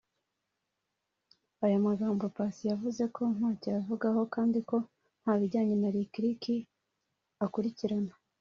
Aya magambo Paccy yavuze ko ntacyo yayavugaho kandi ko nta bijyanye na Lick Lick akurikirana